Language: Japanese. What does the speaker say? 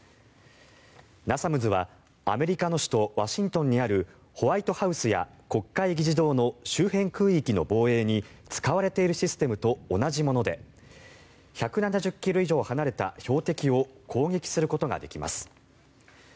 ナサムズはアメリカの首都ワシントンにあるホワイトハウスや国会議事堂の周辺空域の防衛に使われているシステムと同じもので１７０ｋｍ以上離れた標的を攻撃することができます。